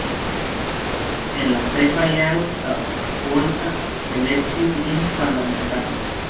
En la sekva jaro Tapolca elektis lin parlamentano.